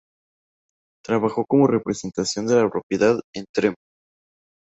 Trabajó como registrador de la propiedad en Tremp.